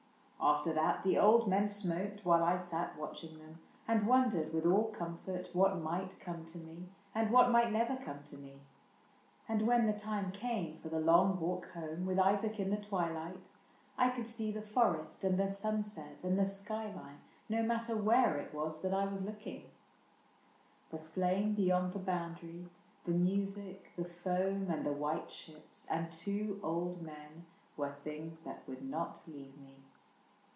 — After that The old men smoked while I sat watching them ISAAC AND ARCHIBALD loi And wondered with all comfort what might come To me, and what might never come to me ; And when the time came for the long walk home With Isaac in the twilight, I could see The forest and the sunset and the sky line. No matter where it was that I was looking : The flame beyond the boundary, the music. The foam and the white ships, and two old men Were things that would not leave me.